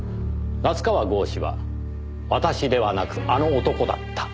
夏河郷士は「私」ではなく「あの男」だった。